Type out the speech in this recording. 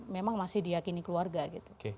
memang masih diyakini keluarga gitu